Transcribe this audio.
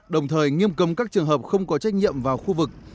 đồng thời nghiêm cấm các trường hợp không có trách nhiệm vào khu vực